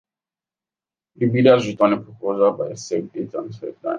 The bidders return a proposal by a set date and time.